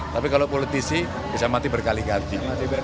tapi kalau politisi bisa mati berkali kali